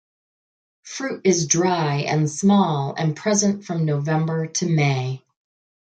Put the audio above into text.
Fruit is dry and small and present from November to May.